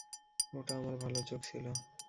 ওটা আমার ভালো চোখ ছিল।